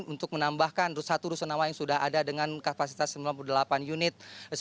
untuk menambahkan satu rusunawa yang sudah ada dengan kapasitas sembilan puluh delapan unit